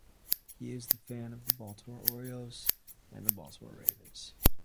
He is a fan of the Baltimore Orioles and Baltimore Ravens.